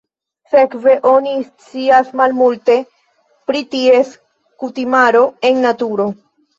Sekve oni scias malmulte pri ties kutimaro en naturo.